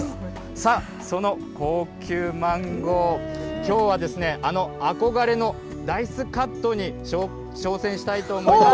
さあ、その高級マンゴー、きょうは、あの憧れのダイスカットに挑戦したいと思います。